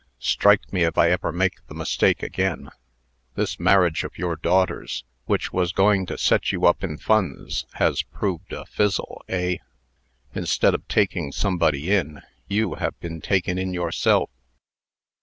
Strike me if I ever make the mistake again. This marriage of your daughter's, which was going to set you up in funds, has proved a fizzle, eh? Instead of taking somebody in, you have been taken in yourself."